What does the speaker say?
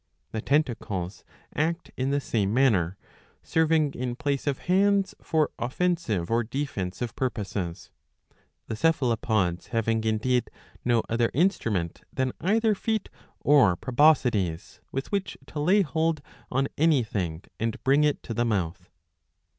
The tentacles act in the same manner, serving in place of hands for offensive or defensive purposes, the Cephalopods having indeed no other instrument than either feet or proboscides with which to lay hold on anything and bring it to the mouth.